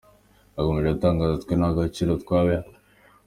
Yakomeje atangaza ati “Twe nta gaciro twabihaye.